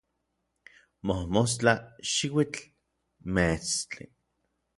mojmostla, xiuitl, meetstli